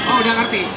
oh udah ngerti